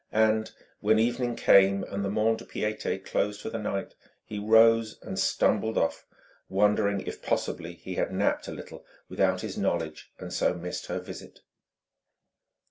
And when evening came and the mont de piété closed for the night, he rose and stumbled off, wondering if possibly he had napped a little without his knowledge and so missed her visit.